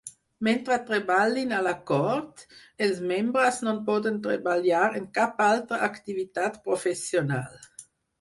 Mentre treballin a la cort, els membres no poden treballar en cap altre activitat professional.